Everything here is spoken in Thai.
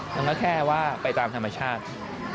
มันก็แค่ว่าไปตามธรรมชาติ